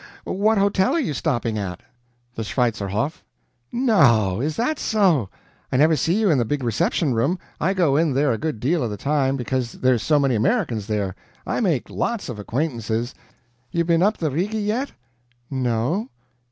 What hotel are you stopping at?" "The Schweitzerhof." "No! is that so? I never see you in the big reception room. I go in there a good deal of the time, because there's so many Americans there. I make lots of acquaintances. You been up the Rigi yet?" "No."